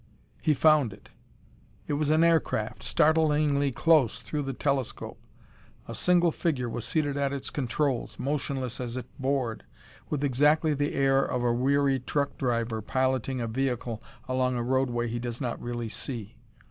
He found it. It was an aircraft, startlingly close through the telescope. A single figure was seated at its controls, motionless as if bored, with exactly the air of a weary truck driver piloting a vehicle along a roadway he does not really see.